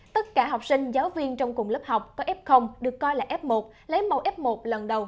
tất cả học sinh giáo viên trong cùng lớp học có f được coi là f một lấy mẫu f một lần đầu